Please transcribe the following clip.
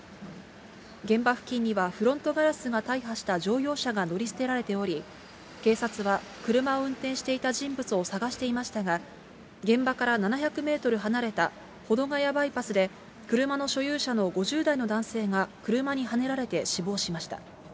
現場付近にはフロントガラスが大破した乗用車が乗り捨てられており、警察は車を運転していた人物を捜していましたが、現場から７００メートル離れた保土ヶ谷バイパスで、車の所有者の５０代の男性が車にはねられて死亡しました。